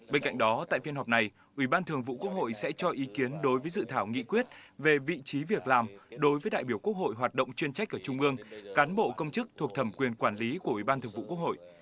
bên cạnh đó tại phiên họp này ủy ban thường vụ quốc hội sẽ cho ý kiến đối với dự thảo nghị quyết về vị trí việc làm đối với đại biểu quốc hội hoạt động chuyên trách ở trung ương cán bộ công chức thuộc thẩm quyền quản lý của ủy ban thường vụ quốc hội